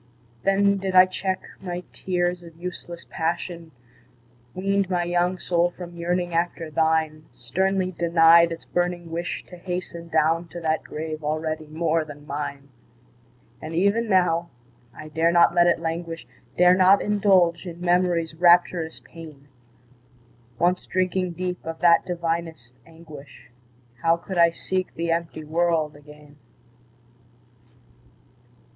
Then did I check my tears of useless passion, Weaned my young soul from yearning after thine, Sternly denied its burning wish to hasten Down to that grave already more than mine! And even now, I dare not let it languish, Dare not indulge in Memory's rapturous pain; Once drinking deep of that divinest anguish, How could I seek the empty world again?